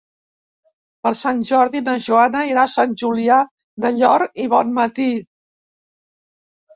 Per Sant Jordi na Joana irà a Sant Julià del Llor i Bonmatí.